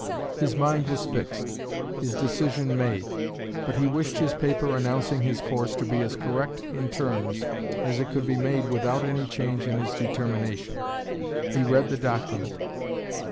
His mind was fixed, his decision made, but he wished his paper announcing his course to be as correct in terms as it could be made without any change in his determination. He read the document.